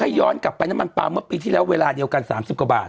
ย้อนกลับไปน้ำมันปลาเมื่อปีที่แล้วเวลาเดียวกัน๓๐กว่าบาท